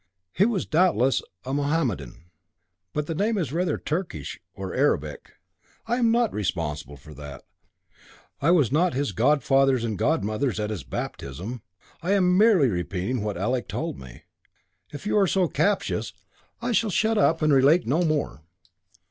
"He was doubtless a Mohammedan." "But the name is rather Turkish or Arabic." "I am not responsible for that; I was not his godfathers and godmothers at his baptism. I am merely repeating what Alec told me. If you are so captious, I shall shut up and relate no more."